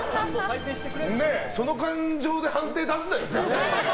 その感情で判定出すなよ。